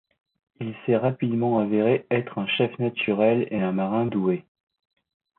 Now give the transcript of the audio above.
Il s'est rapidement avéré être un chef naturel et un marin doué.